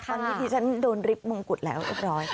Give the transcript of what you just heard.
ตอนนี้ที่ฉันโดนริบมงกุฎแล้วเรียบร้อย